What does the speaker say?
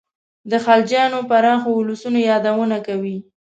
د خلجیانو پراخو اولسونو یادونه کوي.